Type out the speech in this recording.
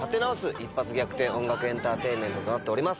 一発逆転音楽エンターテインメントとなっております。